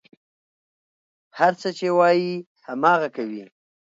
هر څه چې وايي، هماغه کوي.